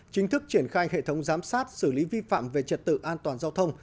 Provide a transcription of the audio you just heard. chính thức triển khai hệ thống giám sát xử lý vi phạm về trật tự an toàn giao thông